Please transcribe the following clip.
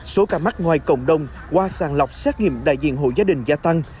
số ca mắc ngoài cộng đồng qua sàng lọc xét nghiệm đại diện hộ gia đình gia tăng